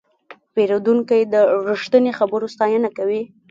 پیرودونکی د رښتیني خبرو ستاینه کوي.